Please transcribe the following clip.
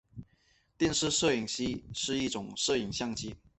电影摄影机是一种摄影相机。